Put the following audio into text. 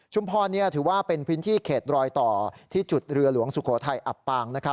พรถือว่าเป็นพื้นที่เขตรอยต่อที่จุดเรือหลวงสุโขทัยอับปาง